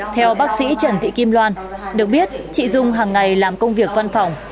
theo bác sĩ trần thị kim loan được biết chị dung hàng ngày làm công việc văn phòng